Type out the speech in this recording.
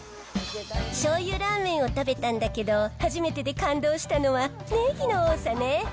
しょうゆラーメンを食べたんだけど、初めてで感動したのはネギの多さね。